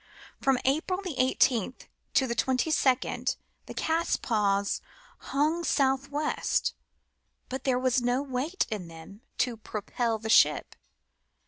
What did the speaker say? From April the 18th to the 22nd the catspaws hung south west; but there was no weight in them to propel the ship.